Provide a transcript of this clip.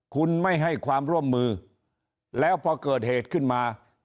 คุณไม่ให้ความร่วมมือแล้วพอเกิดเหตุขึ้นมา